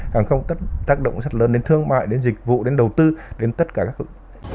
hàng không tác động rất lớn đến thương mại đến dịch vụ đến đầu tư đến tất cả các